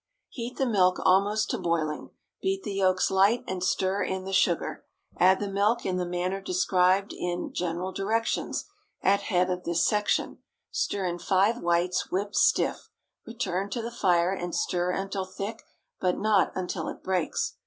Heat the milk almost to boiling; beat the yolks light and stir in the sugar. Add the milk in the manner described in "general directions" at head of this section; stir in five whites whipped stiff; return to the fire and stir until thick, but not until it breaks.